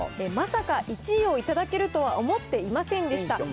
まさか１位を頂けるとは思っていませんでした。